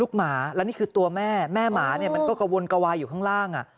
ลูกหมาแล้วนี่คือตัวแม่แม่หมามันก็กะวนกะวายอยู่ข้างล่าง